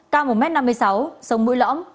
cao một m năm mươi sáu sông mũi lõm